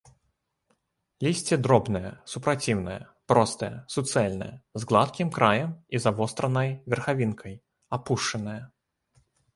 Лісце дробнае, супраціўнае, простае, суцэльнае, з гладкім краем і завостранай верхавінкай, апушанае.